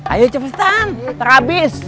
ayo cepetan terhabis